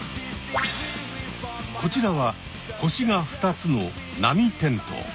こちらは星が２つのナミテントウ。